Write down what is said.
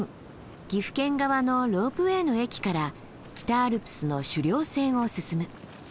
岐阜県側のロープウエーの駅から北アルプスの主稜線を進む。